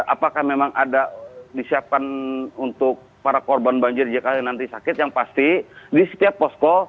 apakah memang ada disiapkan untuk para korban banjir jika nanti sakit yang pasti di setiap posko